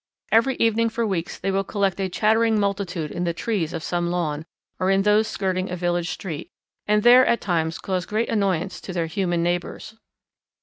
Every evening for weeks they will collect a chattering multitude in the trees of some lawn, or in those skirting a village street, and there at times cause great annoyance to their human neighbours.